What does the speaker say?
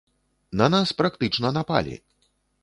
На нас практычна напалі!